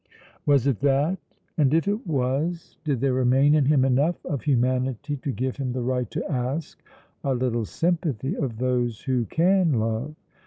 Was it that? And if it was, did there remain in him enough of humanity to give him the right to ask a little sympathy of those who can love?